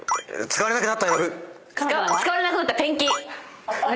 使われなくなったペンキ！